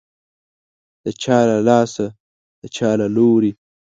د چا له لاسه، د چا له لوري